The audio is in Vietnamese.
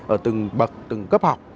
ở từng bậc từng cấp học